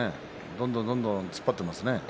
どんどんどんどん突っ張っていますね。